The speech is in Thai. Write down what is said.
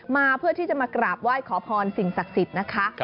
มาเพื่อที่จะมากราบไหว้ขอพรสิ่งศักดิ์สิทธิ์นะคะ